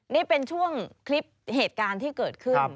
นี่เป็นช่วงคลิปเหตุการณ์ที่เกิดขึ้น